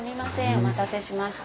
お待たせしました。